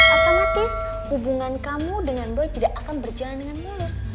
otomatis hubungan kamu dengan do tidak akan berjalan dengan mulus